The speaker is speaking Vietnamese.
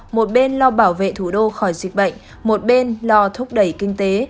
một bên lo bảo vệ thủ đô khỏi dịch bệnh một bên lo thúc đẩy kinh tế